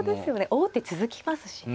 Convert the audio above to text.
王手続きますしね。